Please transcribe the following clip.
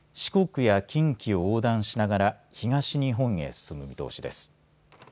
四国や近畿を横断しながら東日本に進む見通しです。